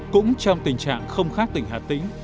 cũng trong tình trạng không khác tỉnh hà tĩnh